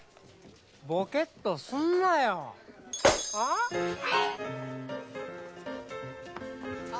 ボケっとすんなよああ？